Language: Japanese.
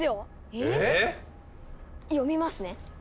えぇっ⁉読みますね。